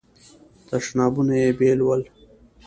تشنابونه یې بیل ول.